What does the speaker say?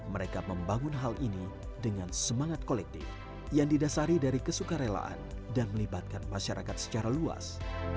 mereka membangun hal ini dengan semangat kolektif yang didasari dari kesuka relaan dan melibatkan masyarakat secara luas